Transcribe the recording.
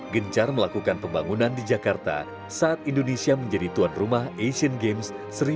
gencar melakukan pembangunan di jakarta saat indonesia menjadi tuan rumah asian games